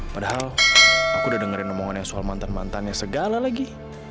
padahal aku udah dengerin omongan yang soal mantan mantannya segala lagi